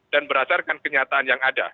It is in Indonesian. dan berdasarkan kenyataan yang ada